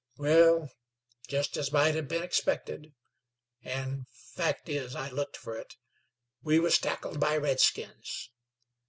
Wal, jest as might hev been expected an' fact is I looked fer it we wus tackled by redskins.